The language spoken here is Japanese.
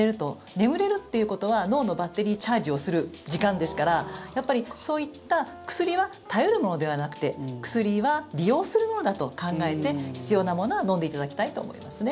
眠れるっていうことは脳のバッテリーチャージをする時間ですからやっぱり、そういった薬は頼るものではなくて薬は利用するものだと考えて必要なものは飲んでいただきたいと思いますね。